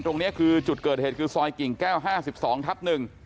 ตรงนี้คือจุดเกิดเหตุคือซอยกิ่งแก้ว๕๒ทับ๑